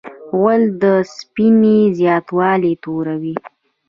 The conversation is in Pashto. غول د اوسپنې زیاتوالی توروي.